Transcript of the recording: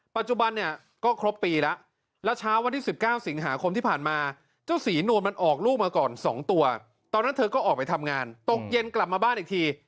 ปัจจุบันเนี่ยก็ครบปีแล้วแล้วเช้าวันที่๑๙สิงหาคมที่ผ่านมาเจ้าศรีนวลมันออกลูกมาก่อน๒ตัวตอนนั้นเธอก็ออกไปทำงานตกเย็นกลับมาบ้านอีกที